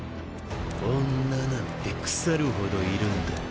女なんて腐るほどいるんだ。